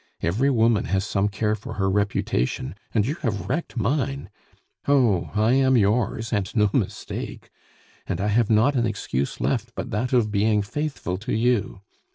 Every woman has some care for her reputation, and you have wrecked mine. "Oh, I am yours and no mistake! And I have not an excuse left but that of being faithful to you.